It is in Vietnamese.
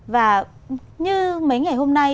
và như mấy ngày hôm nay